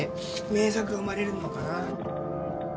名作が生まれるのかな。